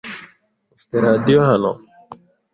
Ufite radio hano?